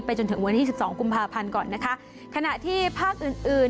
จนถึงวันที่สิบสองกุมภาพันธ์ก่อนนะคะขณะที่ภาคอื่นอื่น